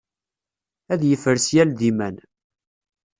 ad yefres yal d iman.